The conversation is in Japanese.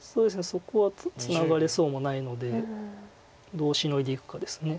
そこはツナがれそうもないのでどうシノいでいくかです。